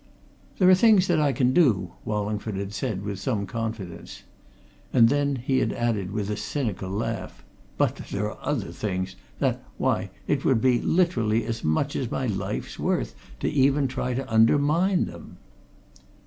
"There are things that I can do," Wallingford had said, with some confidence. And then he had added, with a cynical laugh, "But there are other things that why, it would be, literally, as much as my life's worth to even try to undermine them!"